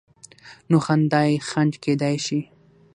نو خندا یې خنډ کېدای شي.